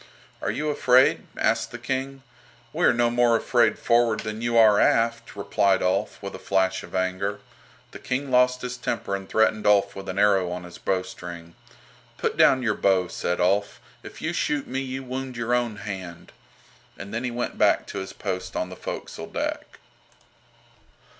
"Are you afraid?" asked the King. "We are no more afraid forward than you are aft," replied Ulf, with a flash of anger. The King lost his temper and threatened Ulf with an arrow on his bowstring. "Put down your bow," said Ulf. "If you shoot me you wound your own hand," and then he went back to his post on the forecastle deck.